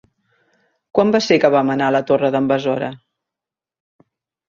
Quan va ser que vam anar a la Torre d'en Besora?